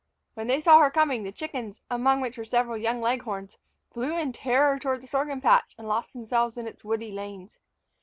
When they saw her coming, the chickens, among which were several young leghorns, fled in terror toward the sorghum patch and lost themselves in its woody lanes.